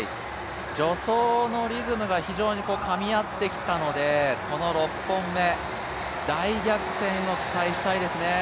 助走のリズムが非常にかみ合ってきたので、この６本目、大逆転を期待したいですね。